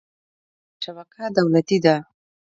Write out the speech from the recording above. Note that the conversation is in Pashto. د سلام شبکه دولتي ده؟